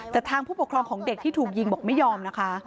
แต่ทางผู้ปกครองของเด็กที่ถูกยิงบอกไม่ยอมนะคะ